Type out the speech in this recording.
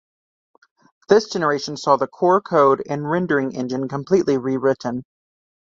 This generation saw the core code and rendering engine completely re-written.